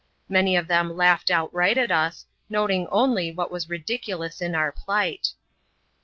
Many of them laughed outright at us, noting only what was ridiculous in our plight.